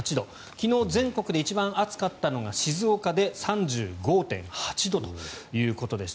昨日、全国で一番暑かったのが静岡で３５．８度ということでした。